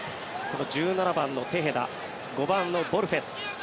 この１７番のテヘダ５番のボルヘス